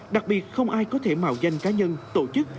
đặc biệt không ai có thể mạo danh cá nhân tổ chức